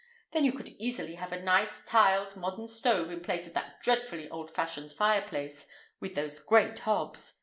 Then you could easily have a nice tiled modern stove in place of that dreadfully old fashioned fireplace, with those great hobs.